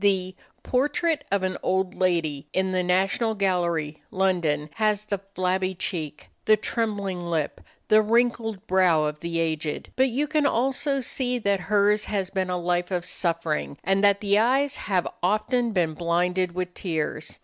The "Portrait of an Old Lady," in the National Gallery, London, has the flabby cheek, the trembling lip, the wrinkled brow of the aged; but you can also see that hers has been a life of suffering, and that the eyes have often been blinded with tears.